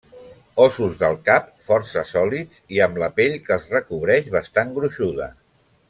Ossos del cap força sòlids i amb la pell que els recobreix bastant gruixuda.